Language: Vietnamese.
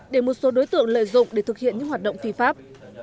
để một số đối tượng lợi dụng để thực hiện những hoạt động phi pháp